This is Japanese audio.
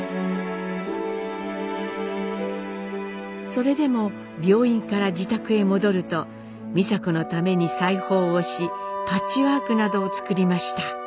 それでも病院から自宅へ戻ると美佐子のために裁縫をしパッチワークなどを作りました。